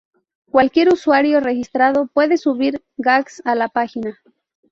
Cualquier usuario registrado puede subir gags a la página.